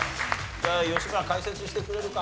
じゃあ吉村解説してくれるか？